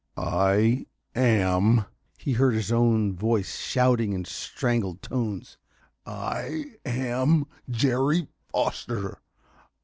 "I am," he heard his own voice shouting in strangled tones, "I am Jerry Foster!